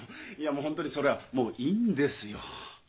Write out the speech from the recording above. もう本当にそりゃもういいんですよ。